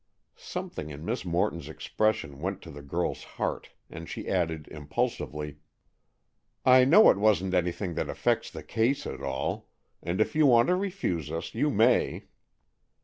Something in Miss Morton's expression went to the girl's heart, and she added impulsively: "I know it wasn't anything that affects the case at all, and if you want to refuse us, you may."